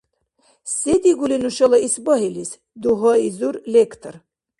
— Се дигули нушала исбагьилис, — дугьаизур лектор.